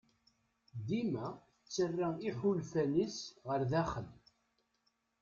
Dima tettarra iḥulfan-is ɣer daxel.